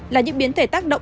là những biến thể tác động